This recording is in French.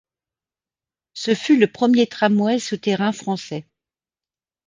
Ce fut le premier tramway souterrain français.